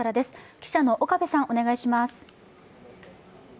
記者の岡部さん、お願いします。